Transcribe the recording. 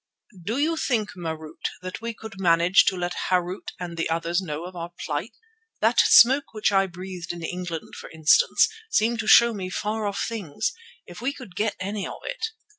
"Do you think, Marût, that we could manage to let Harût and the others know our plight? That smoke which I breathed in England, for instance, seemed to show me far off things—if we could get any of it."